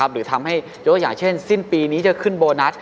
หรือทำให้ยกอย่างเช่นสิ้นปีนี้จะขึ้นโบนัส